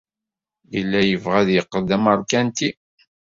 Yella yebɣa ad yeqqel d ameṛkanti.